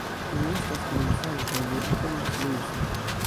Mi estas komencanto, emerita instruisto.